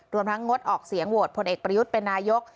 รวมทั้งงดออกเสียงโหวตพลเอกประยุทธ์เป็นนายก